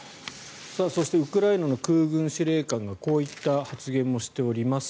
そしてウクライナの空軍司令官がこういった発言もしております。